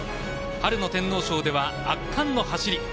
春の天皇賞では圧巻の走り。